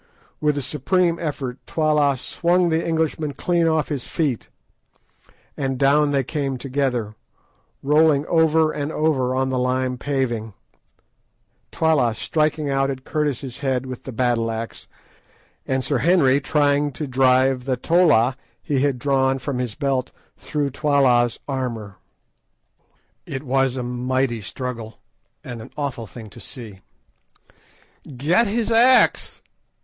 With a supreme effort Twala swung the Englishman clean off his feet, and down they came together, rolling over and over on the lime paving, Twala striking out at Curtis' head with the battle axe, and Sir Henry trying to drive the tolla he had drawn from his belt through Twala's armour. It was a mighty struggle, and an awful thing to see. "Get his axe!"